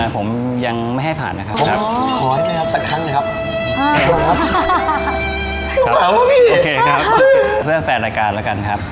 ผมยังไม่ให้ผ่านนะครับ